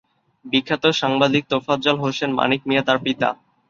বিখ্যাত সাংবাদিক তোফাজ্জল হোসেন মানিক মিয়া তার পিতা।